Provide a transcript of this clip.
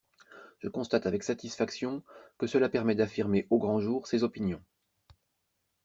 Je constate avec satisfaction que cela permet d’affirmer au grand jour ses opinions.